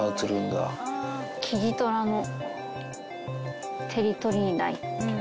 キジトラのテリトリー内。